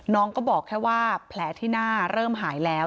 น้องก็บอกแค่ว่าแผลที่หน้าเริ่มหายแล้ว